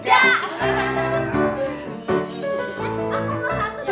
aku juga ingin